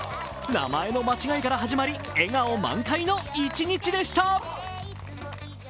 名前の間違いから始まり、笑顔満開の一日でした。